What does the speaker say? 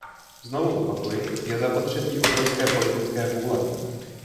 Znovu opakuji, je zapotřebí obrovské politické vůle.